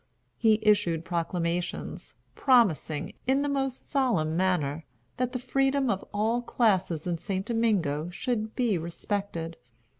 He issued proclamations, promising, in the most solemn manner, that the freedom of all classes in St. Domingo should be respected.